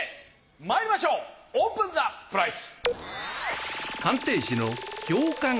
まいりましょうオープンザプライス！